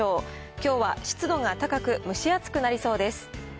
きょうは湿度が高く、蒸し暑くなりそうです。